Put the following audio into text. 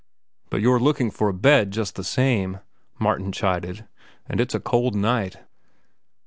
"But you're looking for a bed just the same," Martin chided, "and it's a cold night."